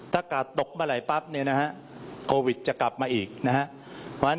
ถ้ากาดตกเมื่อไหร่ปั๊บเนี่ยนะฮะโควิดจะกลับมาอีกนะครับ